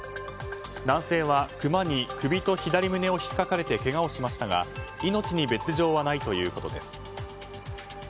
男性は、クマに首と左胸を引っかかれてけがをしましたが命に別条はないということです。